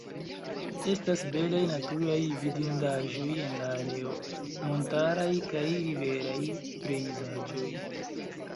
Estas belaj naturaj vidindaĵoj en la areo, montaraj kaj riveraj pejzaĝoj.